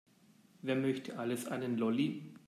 Wer möchte alles einen Lolli?